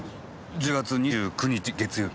１０月２９日月曜日？